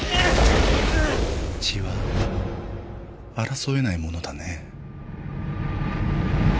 血は争えないものだね。